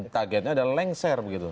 targetnya adalah lengser begitu